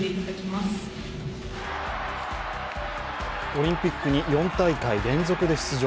オリンピックに４大会連続で出場。